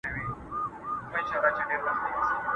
هغه ورځ چي نه لېوه نه قصابان وي،